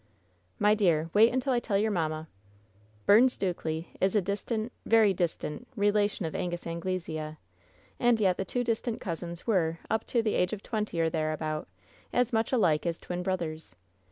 "My dear, wait until I tell your manmia! Byrne Stukely is a distant — very distant — relation of Angus Anglesea, and yet the two distant cousins were, up to the age of twenty or thereabout, as much alike as twin brothers.